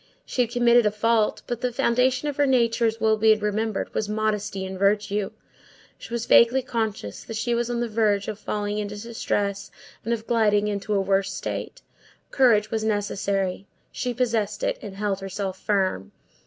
She had committed a fault, but the foundation of her nature, as will be remembered, was modesty and virtue. She was vaguely conscious that she was on the verge of falling into distress, and of gliding into a worse state. Courage was necessary; she possessed it, and held herself firm.